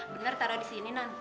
bener taruh di sini non